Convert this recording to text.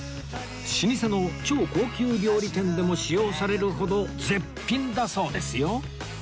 老舗の超高級料理店でも使用されるほど絶品だそうですよ